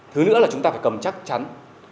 thứ nữa là chúng ta phải cầm chắc chắn